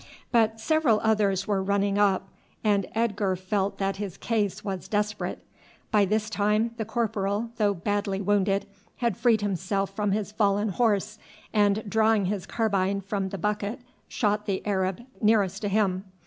But several others were running up, and Edgar felt that his case was desperate. By this time the corporal, though badly wounded, had freed himself from his fallen horse, and drawing his carbine from the bucket shot the Arab nearest to him.